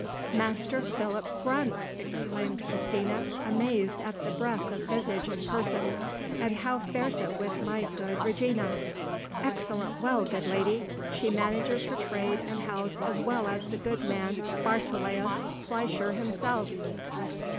"Master Philip Grundt!" exclaimed Christina, amazed at the breadth of visage and person; "and how fares it with my good Regina?" "Excellent well, good lady. She manages her trade and house as well as the good man Bartoläus Fleischer himself.